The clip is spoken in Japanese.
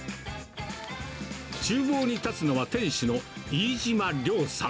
ちゅう房に立つのは店主の飯嶋亮さん。